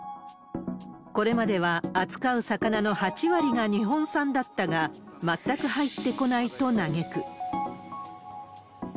これまでは扱う魚の８割が日本産だったが、全く入ってこないと嘆く。